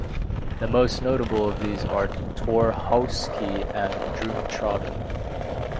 The most notable of these are Torhousekie and Drumtroddan.